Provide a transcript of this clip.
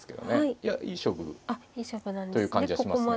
いやいい勝負という感じはしますね。